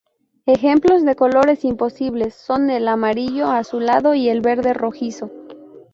Ejemplos de colores imposibles son el amarillo azulado y el verde rojizo.